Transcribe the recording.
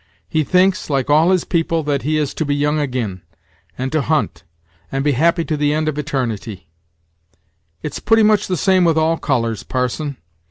He thinks, like all his people, that he is to be young agin, and to hunt, and be happy to the end of etarnity, its pretty much the same with all colors, parson.